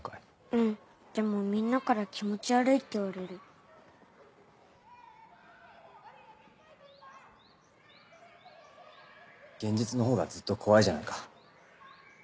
うんでもみんなから気持ち悪いって言われ現実のほうがずっと怖いじゃないか。